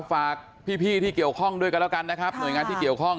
ฝากพี่ที่เกี่ยวข้องด้วยกันแล้วกันนะครับหน่วยงานที่เกี่ยวข้อง